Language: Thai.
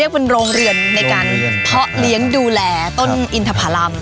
เป็นโรงเรือนในการเพาะเลี้ยงดูแลต้นอินทภารำ